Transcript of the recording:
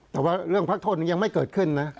แต่ว่าเรื่องพักโทษยังไม่เกิดขึ้นนะ